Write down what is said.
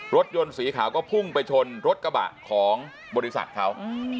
รถยนต์สีขาวก็พุ่งไปชนรถกระบะของบริษัทเขา